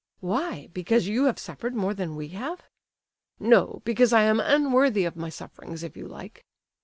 "Why? Because you have suffered more than we have?" "No; because I am unworthy of my sufferings, if you like!"